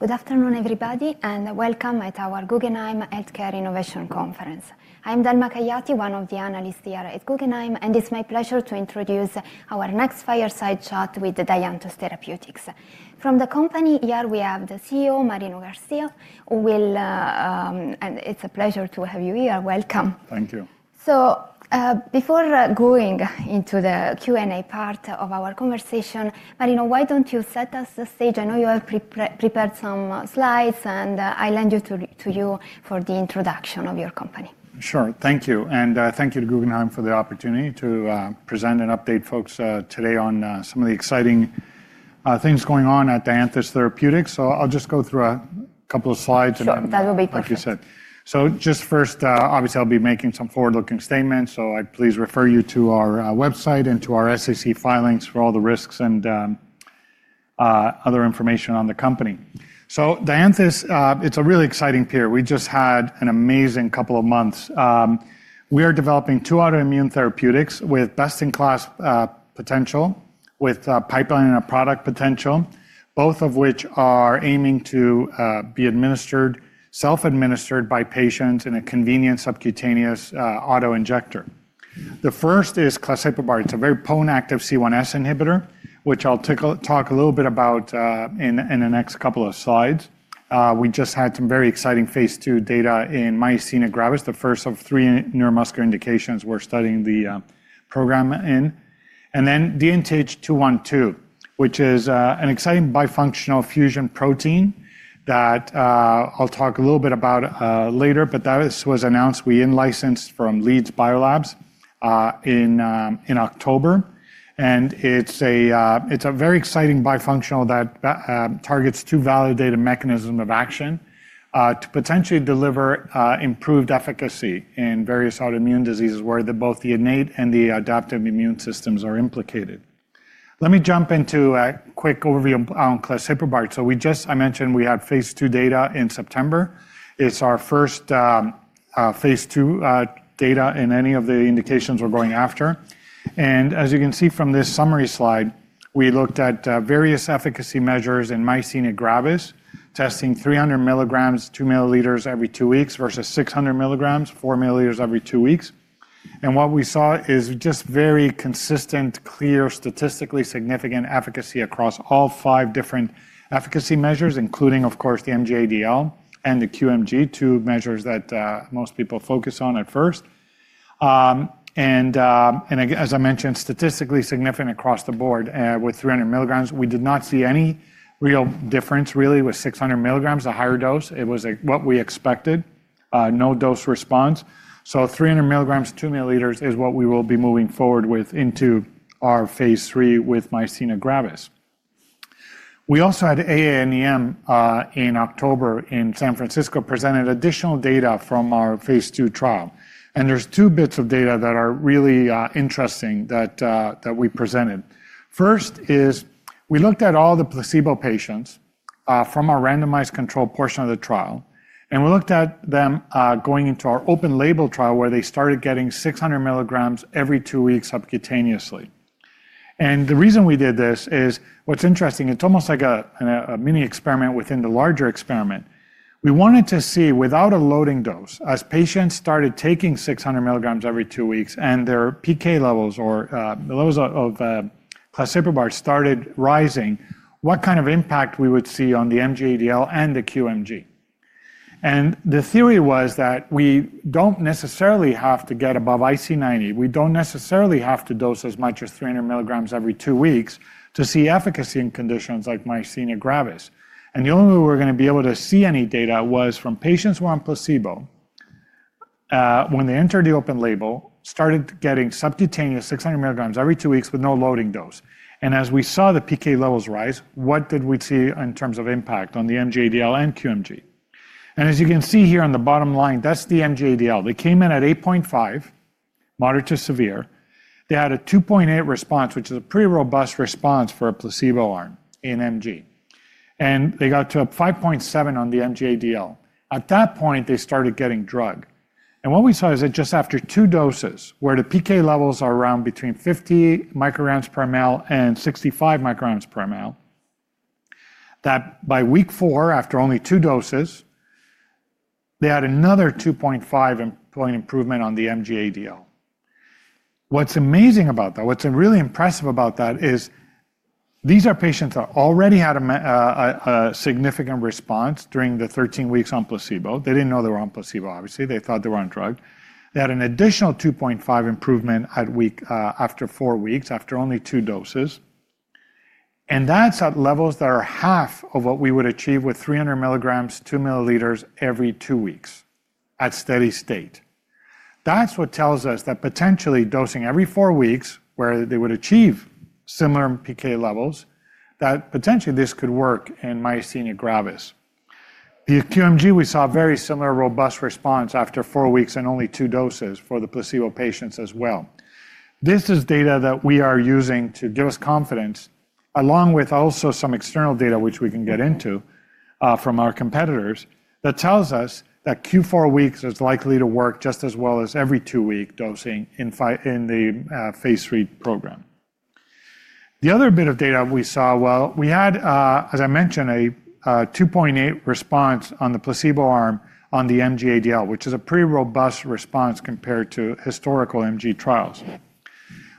Good afternoon, everybody, and welcome at our Guggenheim Healthcare Innovation Conference. I'm Delma Caiati, one of the analysts here at Guggenheim, and it's my pleasure to introduce our next fireside chat with the Dianthus Therapeutics. From the company, here we have the CEO, Marino Garcia, who will—and it's a pleasure to have you here. Welcome. Thank you. Before going into the Q&A part of our conversation, Marino, why don't you set us the stage? I know you have prepared some slides, and I'll lend to you for the introduction of your company. Sure, thank you. Thank you to Guggenheim for the opportunity to present and update folks today on some of the exciting things going on at Dianthus Therapeutics. I'll just go through a couple of slides. Sure, that will be perfect. Like you said. Just first, obviously, I'll be making some forward-looking statements, so I'd please refer you to our website and to our SEC filings for all the risks and other information on the company. Dianthus, it's a really exciting peer. We just had an amazing couple of months. We are developing two autoimmune therapeutics with best-in-class potential, with pipeline and product potential, both of which are aiming to be administered, self-administered by patients in a convenient subcutaneous autoinjector. The first is claseprubart. It's a very potent active C1s inhibitor, which I'll talk a little bit about in the next couple of slides. We just had some very exciting phase II data in Myasthenia Gravis, the first of three neuromuscular indications we're studying the program in. And then DNTH212, which is an exciting bifunctional fusion protein that I'll talk a little bit about later, but that was announced we licensed from Leads Biolabs in October. It is a very exciting bifunctional that targets two validated mechanisms of action to potentially deliver improved efficacy in various autoimmune diseases where both the innate and the adaptive immune systems are implicated. Let me jump into a quick overview on claseprubart. We just—I mentioned we had phase II data in September. It is our first phase II data in any of the indications we are going after. As you can see from this summary slide, we looked at various efficacy measures in Myasthenia Gravis, testing 300 mg, 2 mL every two weeks versus 600 mg, 4 mL every two weeks. What we saw is just very consistent, clear, statistically significant efficacy across all five different efficacy measures, including, of course, the MG-ADL and the QMG, two measures that most people focus on at first. As I mentioned, statistically significant across the board with 300 mg. We did not see any real difference really with 600 mg, a higher dose. It was what we expected, no dose response. Three hundred milligrams, 2 mL is what we will be moving forward with into our phase III with Myasthenia Gravis. We also had AANEM in October in San Francisco presented additional data from our phase II trial. There are two bits of data that are really interesting that we presented. First is we looked at all the placebo patients from our randomized control portion of the trial, and we looked at them going into our open label trial where they started getting 600 mg every two weeks subcutaneously. The reason we did this is what's interesting, it's almost like a mini experiment within the larger experiment. We wanted to see without a loading dose, as patients started taking 600 mg every two weeks and their PK levels or levels of claseprubart started rising, what kind of impact we would see on the MG-ADL and the QMG. The theory was that we don't necessarily have to get above IC90. We don't necessarily have to dose as much as 300 mg every two weeks to see efficacy in conditions like Myasthenia Gravis. The only way we're going to be able to see any data was from patients who are on placebo, when they entered the open label, started getting subcutaneous 600 mg every two weeks with no loading dose. As we saw the PK levels rise, what did we see in terms of impact on the MG-ADL and QMG? As you can see here on the bottom line, that's the MG-ADL. They came in at 8.5, moderate to severe. They had a 2.8 response, which is a pretty robust response for a placebo arm in MG. They got to 5.7 on the MG-ADL. At that point, they started getting drug. What we saw is that just after two doses, where the PK levels are around between 50 micrograms per mL and 65 micrograms per mL, that by week four, after only two doses, they had another 2.5 point improvement on the MG-ADL. What's amazing about that, what's really impressive about that is these are patients that already had a significant response during the 13 weeks on placebo. They didn't know they were on placebo, obviously. They thought they were on drug. They had an additional 2.5 improvement after four weeks, after only two doses. That's at levels that are half of what we would achieve with 300 mg, 2 mL every two weeks at steady state. That tells us that potentially dosing every four weeks, where they would achieve similar PK levels, that potentially this could work in Myasthenia Gravis. The QMG, we saw very similar robust response after four weeks and only two doses for the placebo patients as well. This is data that we are using to give us confidence, along with also some external data which we can get into from our competitors that tells us that Q4 weeks is likely to work just as well as every two-week dosing in the phase III program. The other bit of data we saw, we had, as I mentioned, a 2.8 response on the placebo arm on the MG-ADL, which is a pretty robust response compared to historical MG trials.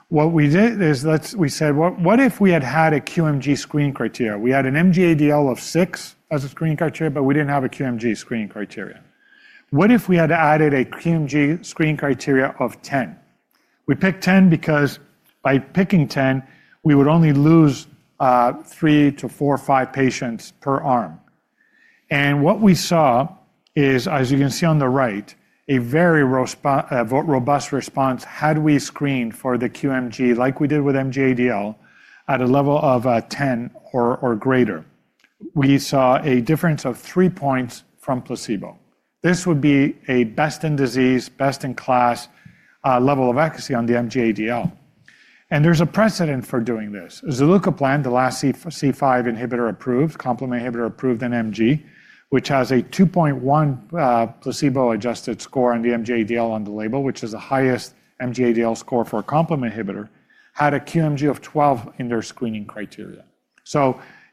What we did is we said, what if we had had a QMG screen criteria? We had an MG-ADL of six as a screen criteria, but we did not have a QMG screen criteria. What if we had added a QMG screen criteria of 10? We picked 10 because by picking 10, we would only lose three to four or five patients per arm. What we saw is, as you can see on the right, a very robust response had we screened for the QMG like we did with MG-ADL at a level of 10 or greater. We saw a difference of three points from placebo. This would be a best in disease, best in class level of efficacy on the MG-ADL. There is a precedent for doing this. Zilucoplan, the last C5 inhibitor approved, complement inhibitor approved in MG, which has a 2.1 placebo-adjusted score on the MG-ADL on the label, which is the highest MG-ADL score for a complement inhibitor, had a QMG of 12 in their screening criteria.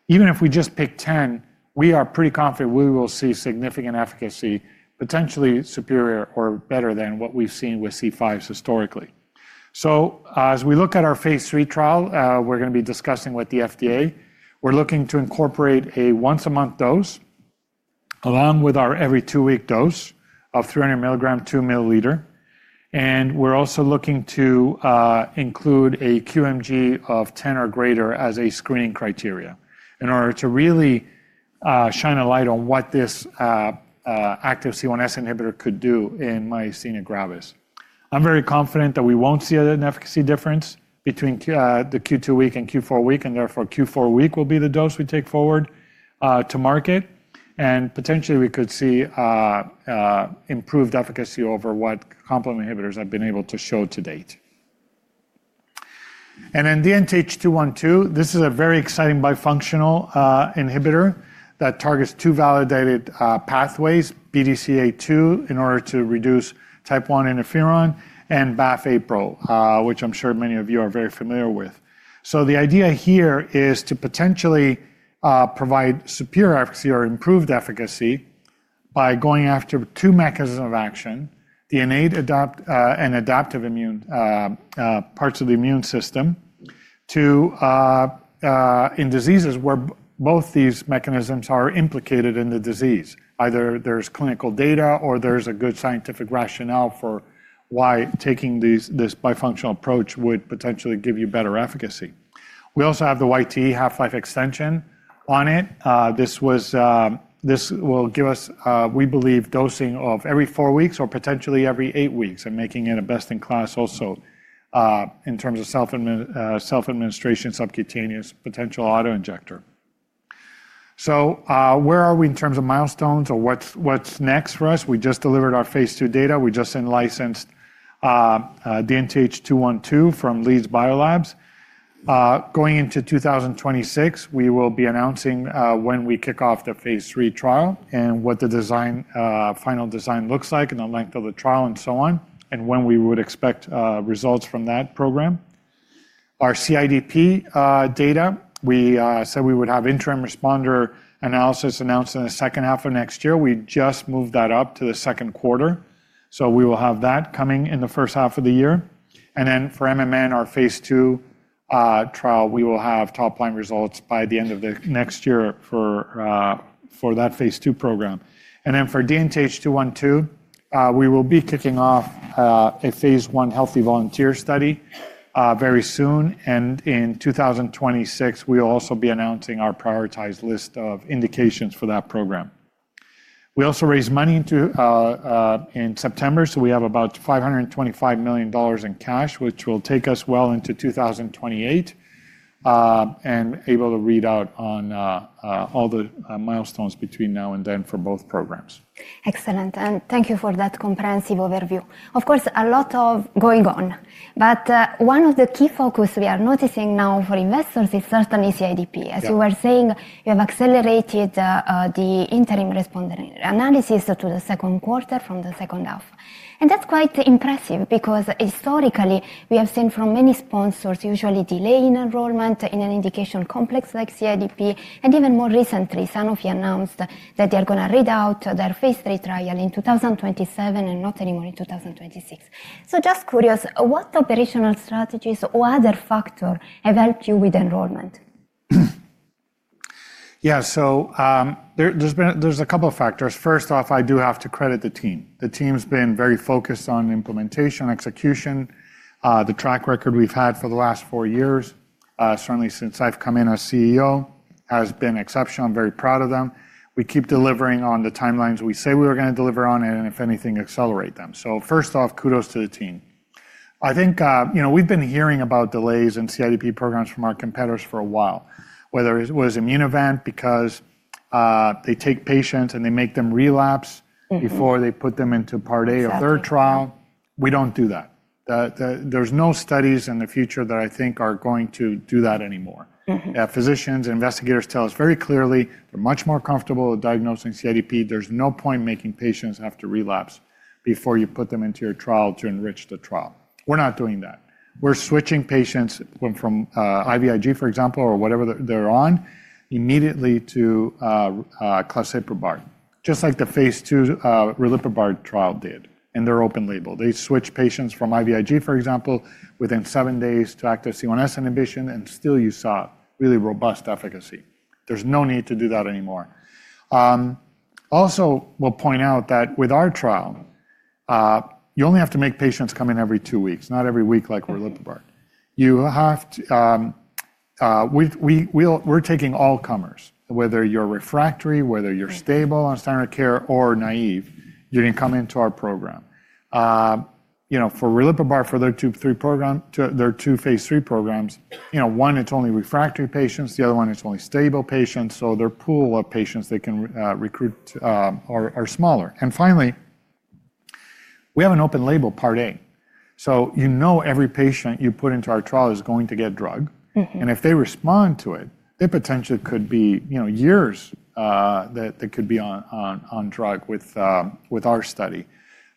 Even if we just pick 10, we are pretty confident we will see significant efficacy, potentially superior or better than what we've seen with C5s historically. As we look at our phase three trial, we're going to be discussing with the FDA. We're looking to incorporate a once-a-month dose along with our every two-week dose of 300 mg, 2 mL. We're also looking to include a QMG of 10 or greater as a screening criteria in order to really shine a light on what this active C1s inhibitor could do in Myasthenia Gravis. I'm very confident that we won't see an efficacy difference between the Q2 week and Q4 week, and therefore Q4 week will be the dose we take forward to market. Potentially we could see improved efficacy over what complement inhibitors have been able to show to date. DNTH212, this is a very exciting bifunctional inhibitor that targets two validated pathways, BDCA2 in order to reduce type I interferon and BAFF/APRIL, which I am sure many of you are very familiar with. The idea here is to potentially provide superior efficacy or improved efficacy by going after two mechanisms of action, the innate and adaptive immune parts of the immune system in diseases where both these mechanisms are implicated in the disease. Either there is clinical data or there is a good scientific rationale for why taking this bifunctional approach would potentially give you better efficacy. We also have the YTE half-life extension on it. This will give us, we believe, dosing of every four weeks or potentially every eight weeks and making it a best in class also in terms of self-administration, subcutaneous potential autoinjector. Where are we in terms of milestones or what's next for us? We just delivered our phase two data. We just licensed DNTH212 from Leads Biolabs. Going into 2026, we will be announcing when we kick off the phase three trial and what the final design looks like and the length of the trial and so on, and when we would expect results from that program. Our CIDP data, we said we would have interim responder analysis announced in the second half of next year. We just moved that up to the second quarter. We will have that coming in the first half of the year. For MMN, our phase II trial, we will have top-line results by the end of next year for that phase II program. For DNTH212, we will be kicking off a phase one healthy volunteer study very soon. In 2026, we will also be announcing our prioritized list of indications for that program. We also raised money in September, so we have about $525 million in cash, which will take us well into 2028 and able to read out on all the milestones between now and then for both programs. Excellent. Thank you for that comprehensive overview. Of course, a lot going on, but one of the key focuses we are noticing now for investors is certainly CIDP. As you were saying, you have accelerated the interim responder analysis to the second quarter from the second half. That is quite impressive because historically we have seen from many sponsors usually delaying enrollment in an indication complex like CIDP. Even more recently, Sanofi announced that they are going to read out their phase three trial in 2027 and not anymore in 2026. Just curious, what operational strategies or other factors have helped you with enrollment? Yeah, so there's a couple of factors. First off, I do have to credit the team. The team's been very focused on implementation, execution. The track record we've had for the last four years, certainly since I've come in as CEO, has been exceptional. I'm very proud of them. We keep delivering on the timelines we say we were going to deliver on and, if anything, accelerate them. First off, kudos to the team. I think we've been hearing about delays in CIDP programs from our competitors for a while, whether it was Immunovant because they take patients and they make them relapse before they put them into part A or their trial. We don't do that. There's no studies in the future that I think are going to do that anymore. Physicians and investigators tell us very clearly they're much more comfortable diagnosing CIDP. There's no point making patients have to relapse before you put them into your trial to enrich the trial. We're not doing that. We're switching patients from IVIg, for example, or whatever they're on immediately to claseprubart, just like the phase II riliprubart trial did. They're open label. They switch patients from IVIg, for example, within seven days to active C1s inhibition, and still you saw really robust efficacy. There's no need to do that anymore. Also, we'll point out that with our trial, you only have to make patients come in every two weeks, not every week like riliprubart. We're taking all comers, whether you're refractory, whether you're stable on standard of care, or naive. You can come into our program. For riliprubart, for their two phase III programs, one, it's only refractory patients. The other one, it's only stable patients. Their pool of patients they can recruit are smaller. Finally, we have an open label part A. You know every patient you put into our trial is going to get drug. If they respond to it, it potentially could be years that they could be on drug with our study.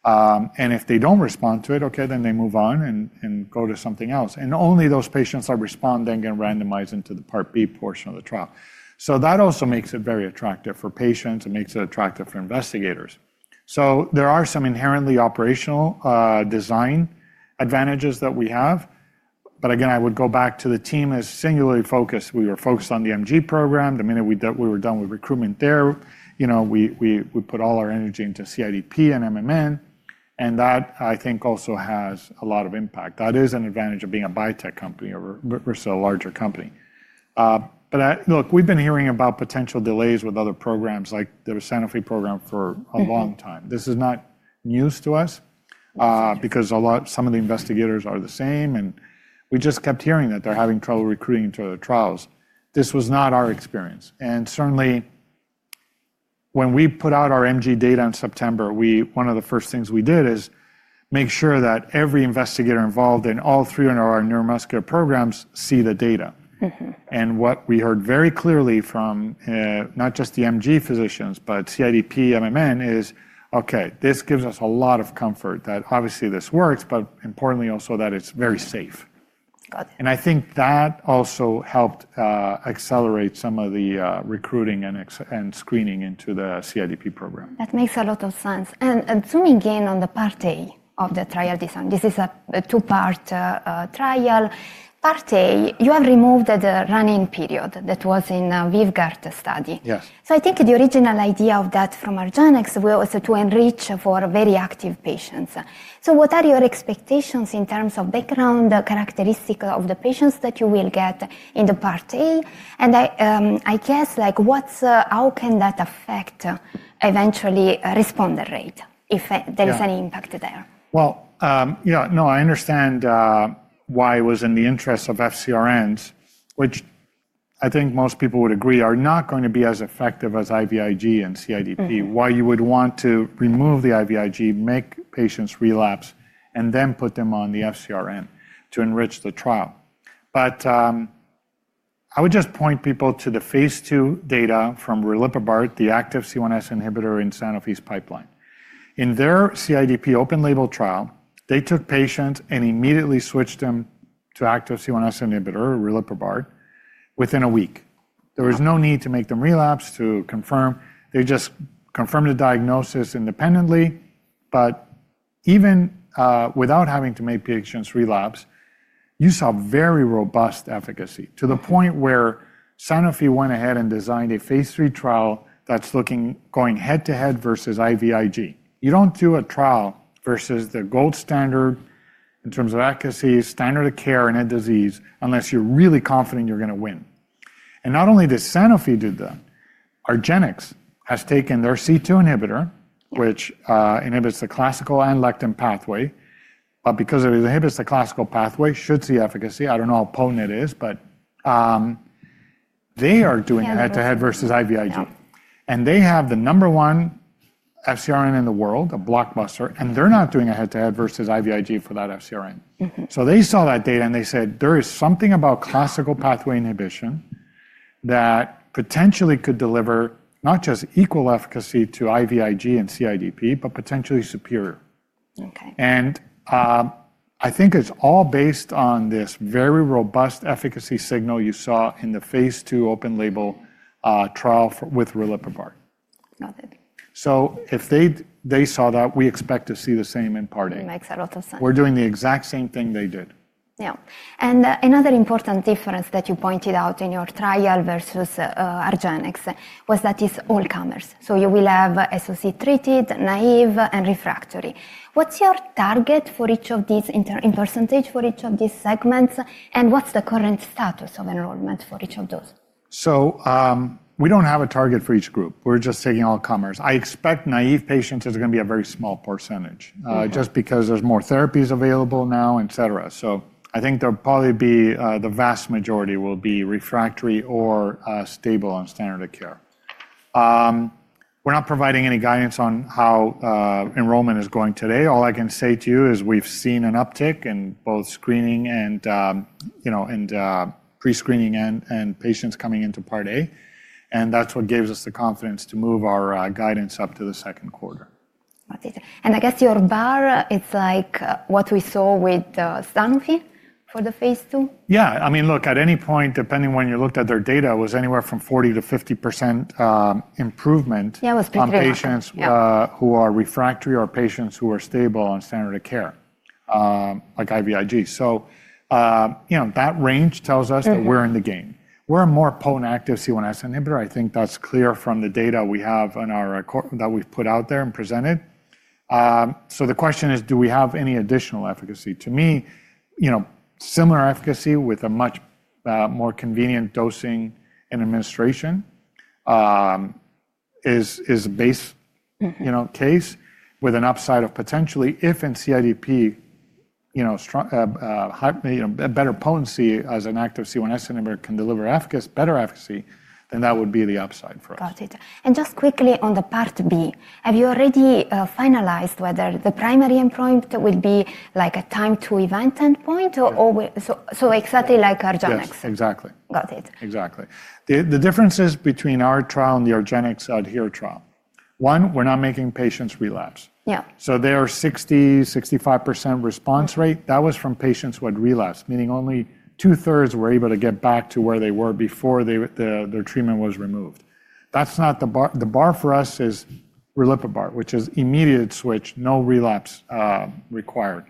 If they do not respond to it, okay, then they move on and go to something else. Only those patients that respond then get randomized into the part B portion of the trial. That also makes it very attractive for patients. It makes it attractive for investigators. There are some inherently operational design advantages that we have. Again, I would go back to the team as singularly focused. We were focused on the MG program. The minute we were done with recruitment there, we put all our energy into CIDP and MMN. That, I think, also has a lot of impact. That is an advantage of being a biotech company versus a larger company. Look, we've been hearing about potential delays with other programs like the Sanofi program for a long time. This is not news to us because some of the investigators are the same. We just kept hearing that they're having trouble recruiting into other trials. This was not our experience. Certainly, when we put out our MG data in September, one of the first things we did is make sure that every investigator involved in all three of our neuromuscular programs see the data. What we heard very clearly from not just the MG physicians, but CIDP, MMN is, okay, this gives us a lot of comfort that obviously this works, but importantly also that it's very safe. I think that also helped accelerate some of the recruiting and screening into the CIDP program. That makes a lot of sense. Zooming in on the part A of the trial design, this is a two-part trial. Part A, you have removed the run-in period that was in the Vyvgart study. I think the original idea of that from Argenx was to enrich for very active patients. What are your expectations in terms of background characteristics of the patients that you will get in the part A? I guess, how can that affect eventually responder rate if there is any impact there? I understand why it was in the interest of FcRNs, which I think most people would agree are not going to be as effective as IVIg in CIDP, why you would want to remove the IVIg, make patients relapse, and then put them on the FcRN to enrich the trial. I would just point people to the phase II data from riliprubart, the active C1s inhibitor in Sanofi's pipeline. In their CIDP open label trial, they took patients and immediately switched them to active C1s inhibitor, riliprubart, within a week. There was no need to make them relapse to confirm. They just confirmed the diagnosis independently. Even without having to make patients relapse, you saw very robust efficacy to the point where Sanofi went ahead and designed a phase III trial that's going head-to-head versus IVIg. You don't do a trial versus the gold standard in terms of efficacy, standard of care in a disease unless you're really confident you're going to win. Not only did Sanofi do that, Argenx has taken their C2 inhibitor, which inhibits the classical and lectin pathway. Because it inhibits the classical pathway, should see efficacy. I don't know how potent it is, but they are doing head-to-head versus IVIg. They have the number one FcRn in the world, a blockbuster. They're not doing a head-to-head versus IVIg for that FcRn. They saw that data and they said there is something about classical pathway inhibition that potentially could deliver not just equal efficacy to IVIg in CIDP, but potentially superior. I think it's all based on this very robust efficacy signal you saw in the phase II open label trial with riliprubart. If they saw that, we expect to see the same in part A. Makes a lot of sense. We're doing the exact same thing they did. Yeah. Another important difference that you pointed out in your trial versus Argenx was that it's all comers. You will have SOC treated, naive, and refractory. What's your target for each of these, in percentage for each of these segments? What's the current status of enrollment for each of those? We do not have a target for each group. We are just taking all comers. I expect naive patients is going to be a very small percentage just because there are more therapies available now, et cetera. I think there will probably be the vast majority will be refractory or stable on standard of care. We are not providing any guidance on how enrollment is going today. All I can say to you is we have seen an uptick in both screening and prescreening and patients coming into part A. That is what gives us the confidence to move our guidance up to the second quarter. I guess your bar, it's like what we saw with Sanofi for the phase II? Yeah. I mean, look, at any point, depending when you looked at their data, it was anywhere from 40%-50% improvement on patients who are refractory or patients who are stable on standard of care, like IVIg. That range tells us that we're in the game. We're a more potent active C1s inhibitor. I think that's clear from the data we have that we've put out there and presented. The question is, do we have any additional efficacy? To me, similar efficacy with a much more convenient dosing and administration is a base case with an upside of potentially, if in CIDP, a better potency as an active C1s inhibitor can deliver better efficacy, then that would be the upside for us. Just quickly on the part B, have you already finalized whether the primary endpoint will be like a time to event endpoint? Exactly like Argenx. Exactly. Exactly. The differences between our trial and the Argenx ADHERE trial. One, we're not making patients relapse. Their 60%-65% response rate, that was from patients who had relapsed, meaning only two-thirds were able to get back to where they were before their treatment was removed. The bar for us is riliprubart, which is immediate switch, no relapse required.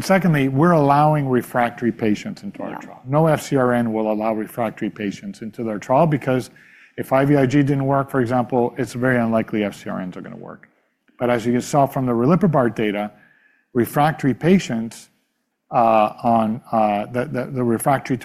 Secondly, we're allowing refractory patients into our trial. No FcRn will allow refractory patients into their trial because if IVIg didn't work, for example, it's very unlikely FcRns are going to work. As you saw from the riliprubart data, refractory to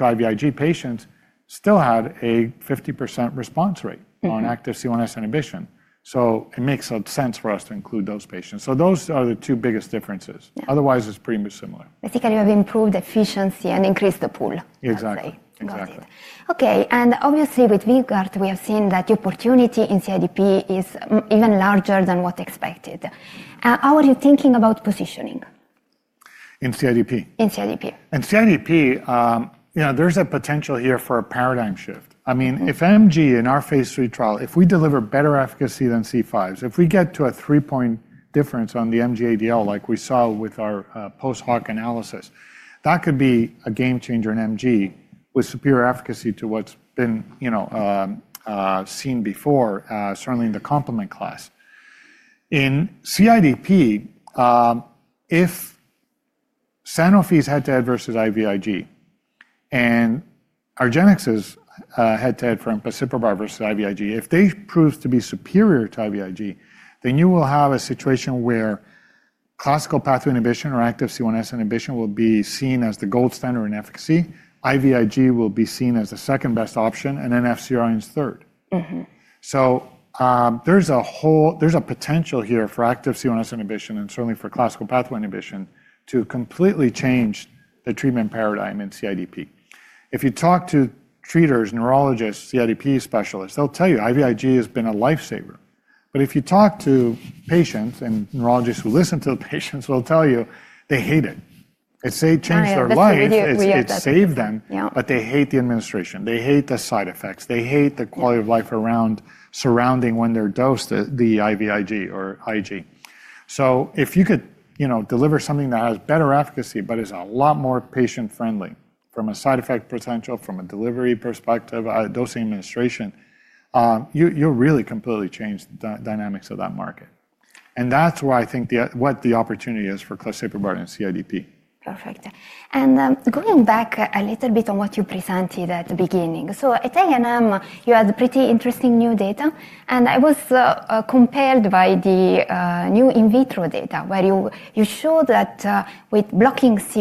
IVIg patients still had a 50% response rate on active C1s inhibition. It makes sense for us to include those patients. Those are the two biggest differences. Otherwise, it's pretty much similar. Basically, you have improved efficiency and increased the pool. Exactly. Exactly. Okay. Obviously with Vyvgart, we have seen that the opportunity in CIDP is even larger than what expected. How are you thinking about positioning? In CIDP? In CIDP. In CIDP, there's a potential here for a paradigm shift. I mean, if MG in our phase III trial, if we deliver better efficacy than C5s, if we get to a three-point difference on the MG-ADL like we saw with our post hoc analysis, that could be a game changer in MG with superior efficacy to what's been seen before, certainly in the complement class. In CIDP, if Sanofi's head-to-head versus IVIg and Argenx's head-to-head for claseprubart versus IVIg, if they prove to be superior to IVIg, then you will have a situation where classical pathway inhibition or active C1s inhibition will be seen as the gold standard in efficacy. IVIg will be seen as the second best option and then FcRNs third. There's a potential here for active C1s inhibition and certainly for classical pathway inhibition to completely change the treatment paradigm in CIDP. If you talk to treaters, neurologists, CIDP specialists, they'll tell you IVIg has been a lifesaver. If you talk to patients and neurologists who listen to the patients, they'll tell you they hate it. They say it changed their lives. It saved them, but they hate the administration. They hate the side effects. They hate the quality of life surrounding when they're dosed the IVIg or Ig. If you could deliver something that has better efficacy, but is a lot more patient-friendly from a side effect potential, from a delivery perspective, dosing administration, you'll really completely change the dynamics of that market. That is where I think what the opportunity is for clecipobar and CIDP. Perfect. Going back a little bit on what you presented at the beginning. At AANEM, you had pretty interesting new data. I was compelled by the new in vitro data where you showed that with blocking with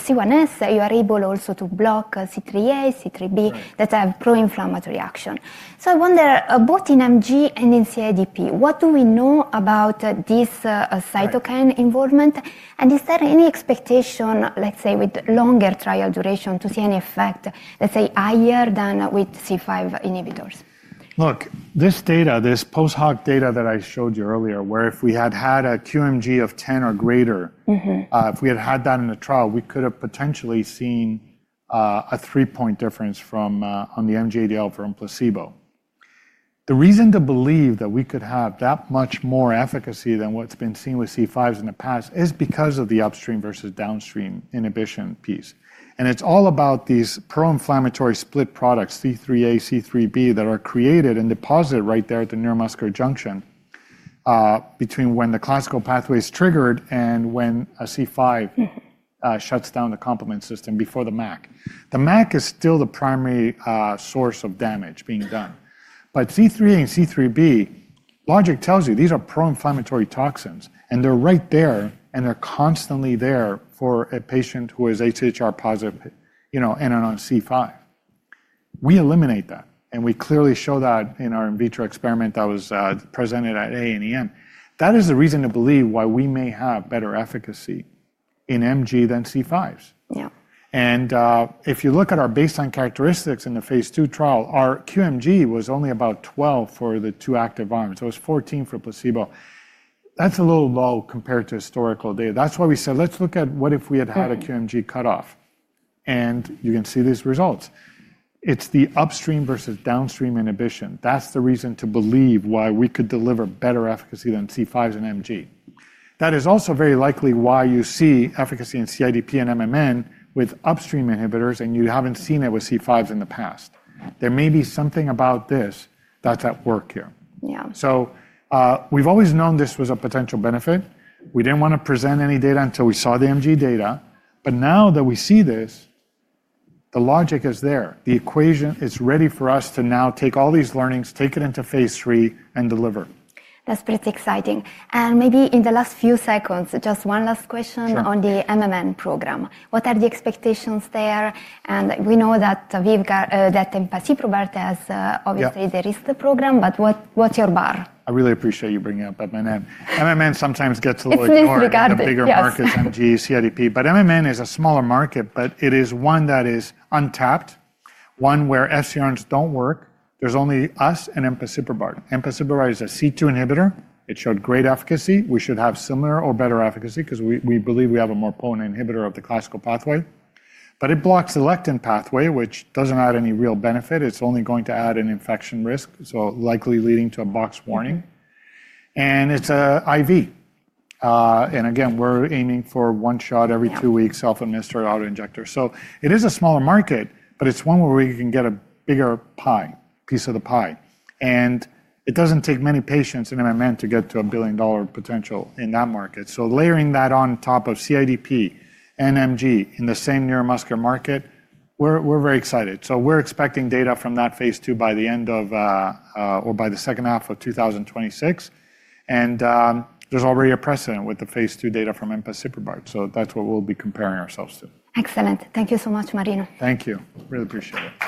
C1s, you are able also to block C3a, C3b that have pro-inflammatory action. I wonder, both in MG and in CIDP, what do we know about this cytokine involvement? Is there any expectation, let's say, with longer trial duration to see any effect, let's say, higher than with C5 inhibitors? Look, this data, this post hoc data that I showed you earlier, where if we had had a QMG of 10 or greater, if we had had that in the trial, we could have potentially seen a three-point difference on the MG-ADL from placebo. The reason to believe that we could have that much more efficacy than what's been seen with C5s in the past is because of the upstream versus downstream inhibition piece. It is all about these pro-inflammatory split products, C3a, C3b, that are created and deposited right there at the neuromuscular junction between when the classical pathway is triggered and when a C5 shuts down the complement system before the MAC. The MAC is still the primary source of damage being done. C3a and C3b, logic tells you these are pro-inflammatory toxins, and they're right there, and they're constantly there for a patient who is HCHR positive and are on C5. We eliminate that. We clearly show that in our in vitro experiment that was presented at AANEM. That is the reason to believe why we may have better efficacy in MG than C5s. If you look at our baseline characteristics in the phase II trial, our QMG was only about 12 for the two active arms. It was 14 for placebo. That's a little low compared to historical data. That's why we said, let's look at what if we had had a QMG cutoff. You can see these results. It's the upstream versus downstream inhibition. That's the reason to believe why we could deliver better efficacy than C5s and MG. That is also very likely why you see efficacy in CIDP and MMN with upstream inhibitors, and you haven't seen it with C5s in the past. There may be something about this that's at work here. We've always known this was a potential benefit. We didn't want to present any data until we saw the MG data. Now that we see this, the logic is there. The equation is ready for us to now take all these learnings, take it into phase III, and deliver. That's pretty exciting. Maybe in the last few seconds, just one last question on the MMN program. What are the expectations there? We know that Vyvgart, that in placebo part, there is the program, but what's your bar? I really appreciate you bringing up MMN. MMN sometimes gets a little bit more of a bigger market than, MG, CIDP. But MMN is a smaller market, but it is one that is untapped, one where FcRNs do not work. There is only us and empasiprubart. Empasiprubart is a C2 inhibitor. It showed great efficacy. We should have similar or better efficacy because we believe we have a more potent inhibitor of the classical pathway. It blocks the lectin pathway, which does not add any real benefit. It is only going to add an infection risk, likely leading to a box warning. It is an IV. Again, we are aiming for one shot every two weeks, self-administered autoinjector. It is a smaller market, but it is one where we can get a bigger pie, piece of the pie. It does not take many patients in MMN to get to a billion-dollar potential in that market. Layering that on top of CIDP and MG in the same neuromuscular market, we are very excited. We are expecting data from that phase II by the end of or by the second half of 2026. There is already a precedent with the phase II data from empasiprubart. That is what we will be comparing ourselves to. Excellent. Thank you so much, Marino. Thank you. Really appreciate it.